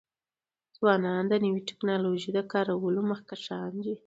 ځوانان د نوی ټکنالوژی د کارولو مخکښان دي.